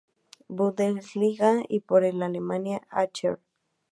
Bundesliga; y por el Alemannia Aachen.